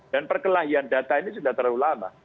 dan perkelahian data ini sudah terlalu lama